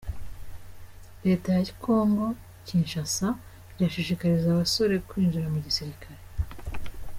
Leta ya kongo Kinshasa irashishikariza abasore kwinjira mu gisirikare